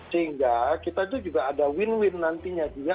sehingga kita itu juga ada win win nantinya juga